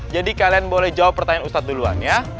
jadi kalian boleh jawab pertanyaan ustad duluan ya